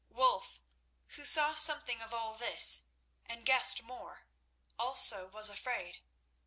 Wulf, who saw something of all this and guessed more, also was afraid.